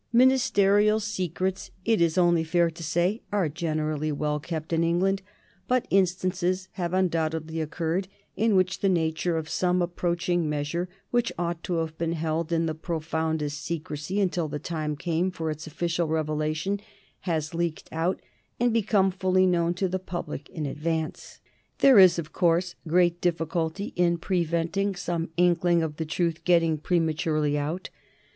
Ministerial secrets, it is only fair to say, are generally well kept in England, but instances have undoubtedly occurred in which the nature of some approaching measure, which ought to have been held in the profoundest secrecy until the time came for its official revelation, has leaked out and become fully known to the public in advance. There is, of course, great difficulty in preventing some inkling of the truth getting prematurely out.